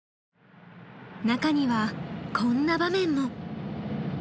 中にはこんな場面も。